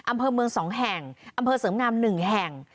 อำเภอเมือง๒แห่งอำเภอเสริมงาม๑แห่ง